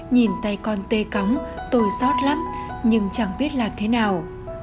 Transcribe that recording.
nhìn tay con tê cóng tôi sót lắm nhưng chẳng biết làm thế nào